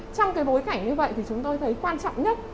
trong bối cảnh như vậy chúng tôi thấy quan trọng nhất